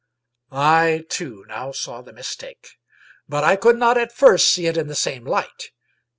I too now saw the mistake, but I could not at first see it in the same light.